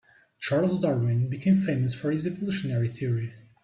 Charles Darwin became famous for his evolutionary theory.